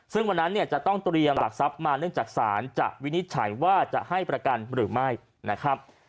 ซึ่งวันนั้นเนี่ยจะต้องเตรียมหลักทรัพย์มาเนื่องจากศาลจะวินิจฉัยว่าจะให้ประกันหรือไม่นะครับ